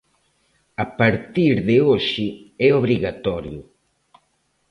A partir de hoxe é obrigatorio.